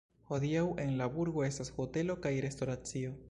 Hodiaŭ en la burgo estas hotelo kaj restoracio.